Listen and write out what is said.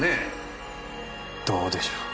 どうでしょう。